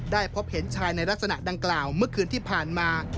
พบเห็นชายในลักษณะดังกล่าวเมื่อคืนที่ผ่านมา